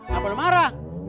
kenapa lu marah